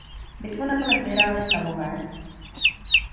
Bitvu nakonec vyhráli stavové.